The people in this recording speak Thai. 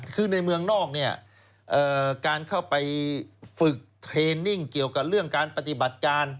คือในเมืองนอกเนี่ยการเข้าไปฝึกเทรนนิ่งเกี่ยวกับเรื่องการปฏิบัติการ